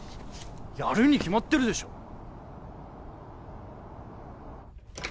やるに決まってるでしょ